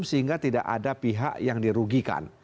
sehingga tidak ada pihak yang dirugikan